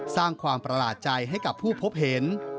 สร้างความประหลาดใจให้กับผู้พบเห็น